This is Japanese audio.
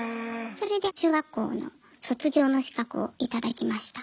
それで中学校の卒業の資格を頂きました。